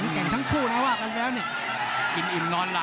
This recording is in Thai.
ออกนีรา